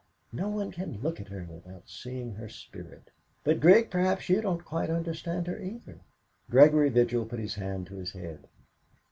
"No one can look at her without seeing her spirit. But, Grig, perhaps you don't quite understand her either!" Gregory Vigil put his hand to his head.